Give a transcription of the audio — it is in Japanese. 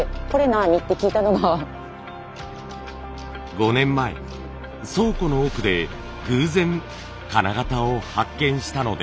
５年前倉庫の奥で偶然金型を発見したのです。